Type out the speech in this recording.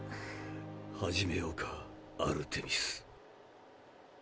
始めようかアルテミス。